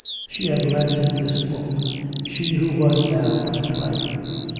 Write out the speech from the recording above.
She had lent him this book she who was now but clay.